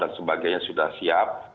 dan sebagainya sudah siap